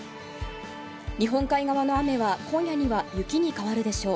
日本海側の雨は今夜には雪に変わるでしょう。